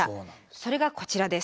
それがこちらです。